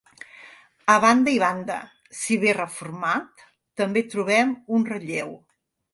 A banda i banda, si bé reformat, també trobem un relleu.